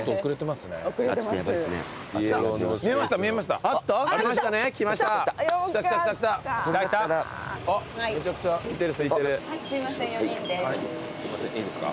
すいませんいいですか？